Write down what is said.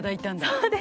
そうです。